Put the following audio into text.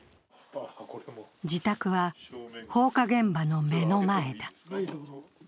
自宅は、放火現場の目の前だ。